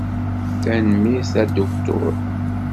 Tanemmirt a Aduktur.